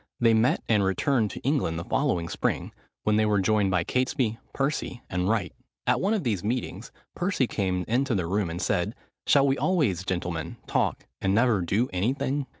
They met and returned to England the following spring, when they were joined by Catesby, Percy, and Wright. At one of these meetings Percy came into the room and said, "Shall we always, gentlemen, talk, and never do any thing?"